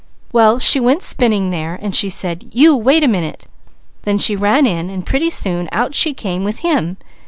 Well she went spinning there, and she said 'you wait a minute,' then she ran in and pretty soon out she came with him.